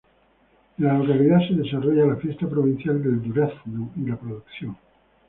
En la localidad se desarrolla la Fiesta Provincial del Durazno y la Producción.